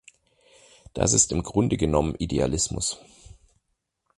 Das ist im Grunde genommen Idealismus.